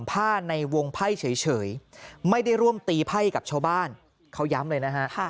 ผ้าในวงไพ่เฉยไม่ได้ร่วมตีไพ่กับชาวบ้านเขาย้ำเลยนะฮะ